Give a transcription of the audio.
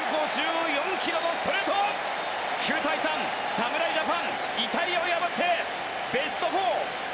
侍ジャパンイタリアを破ってベスト４。